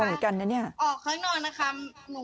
นี่ค่ะออกเครื่องนอนนะครับ